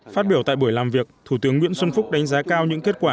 phát biểu tại buổi làm việc thủ tướng nguyễn xuân phúc đánh giá cao những kết quả